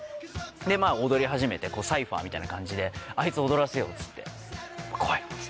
で踊り始めてサイファーみたいな感じで「アイツ踊らせよう」っつって「来い！」っつって。